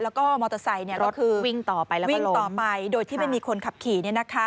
แล้วก็มอเตอร์ไซต์ก็คือวิ่งต่อไปโดยที่มีคนขับขี่